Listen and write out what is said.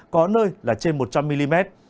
có nơi là trên một trăm linh mm